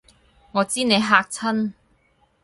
我知你嚇親